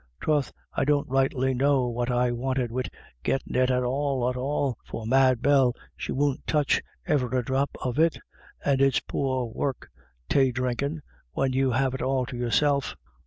Troth, I don't rightly know what I wanted wid gittin' it at all, at all, for Mad Bell she won't touch J BACKWARDS AND FORWARDS. 273 e'er a drop of it, and it's poor wark, tay drinkin', when you have it all to yourself.